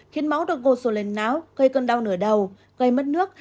khiến máu được ngột rồ lên náo gây cơn đau nửa đầu gây mất nước